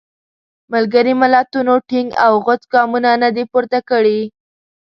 ملګري ملتونو ټینګ او غوڅ ګامونه نه دي پورته کړي.